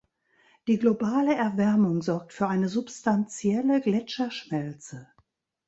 Die globale Erwärmung sorgt für eine substanzielle Gletscherschmelze.